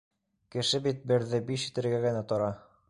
Кеше бит берҙе биш итергә генә тора.